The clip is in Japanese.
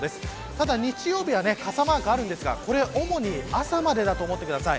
ただ日曜日は傘マークがありますが主に、朝までだと思ってください。